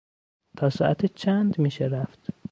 تا ساعت چند میشه رفت؟